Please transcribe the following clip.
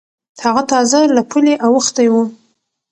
هغه تازه له پولې اوختی و.